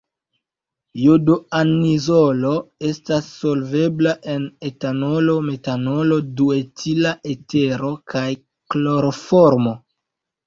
Jodo-anizolo estas solvebla en etanolo, metanolo, duetila etero kaj kloroformo.